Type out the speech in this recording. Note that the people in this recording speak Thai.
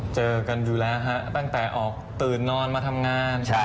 เจอกันอยู่แล้วฮะตั้งแต่ออกตื่นนอนมาทำงาน